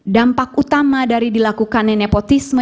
dampak utama dari dilakukannya nepotisme